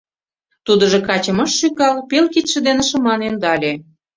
Тудыжо качым ыш шӱкал, пел кидше дене шыман ӧндале.